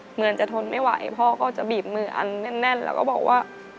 เหมือนจะทนไม่ไหวพ่อก็จะบีบมืออันแน่นแล้วก็บอกว่า